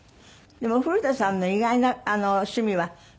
でも古田さんの意外な趣味は舞台鑑賞？